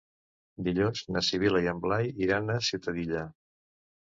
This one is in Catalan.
Dilluns na Sibil·la i en Blai iran a Ciutadilla.